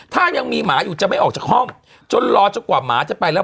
ถ้ายังมีหมาอยู่จะไม่ออกจากห้องจนรอจนกว่าหมาจะไปแล้ว